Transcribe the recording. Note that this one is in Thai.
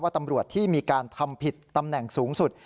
ตำรวจที่มีการทำผิดตำแหน่งสูงสุด